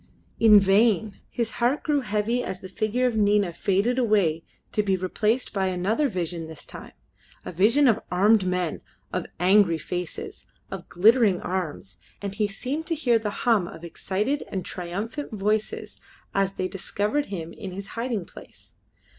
In vain! His heart grew heavy as the figure of Nina faded away to be replaced by another vision this time a vision of armed men, of angry faces, of glittering arms and he seemed to hear the hum of excited and triumphant voices as they discovered him in his hiding place.